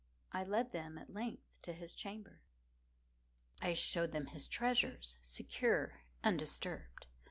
I led them, at length, to his chamber. I showed them his treasures, secure, undisturbed.